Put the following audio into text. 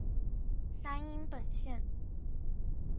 山阴本线。